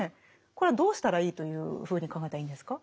これはどうしたらいいというふうに考えたらいいんですか？